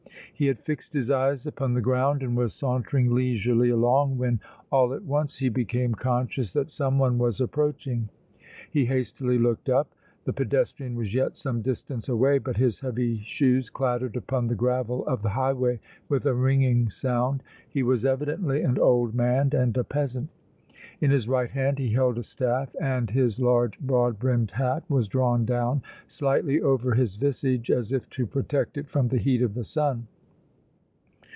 He had fixed his eyes upon the ground and was sauntering leisurely along when, all at once, he became conscious that some one was approaching. He hastily looked up. The pedestrian was yet some distance away, but his heavy shoes clattered upon the gravel of the highway with a ringing sound. He was evidently an old man and a peasant. In his right hand he held a staff and his large, broad brimmed hat was drawn down slightly over his visage as if to protect it from the heat of the sun.